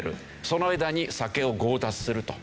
その間に酒を強奪すると。